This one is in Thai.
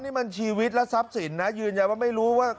นี่มันชีวิตและทรัพย์สินนะยืนยันว่าไม่รู้ว่า